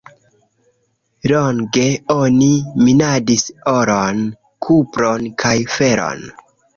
Longe oni minadis oron, kupron kaj feron.